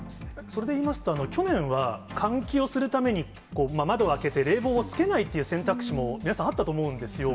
それでいいますと、去年は、換気をするために窓を開けて、冷房をつけないという選択肢も皆さんあったと思うんですよ。